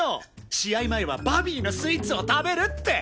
試合前はバビーのスイーツを食べるって。